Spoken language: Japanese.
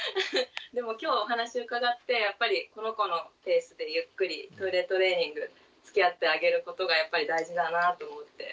でもきょうお話伺ってやっぱりこの子のペースでゆっくりトイレトレーニングつきあってあげることがやっぱり大事だなぁと思って。